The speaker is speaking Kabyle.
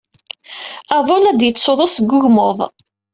Aḍu la d-yettsuḍu seg wegmuḍ.